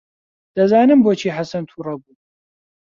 دەزانم بۆچی حەسەن تووڕە بوو.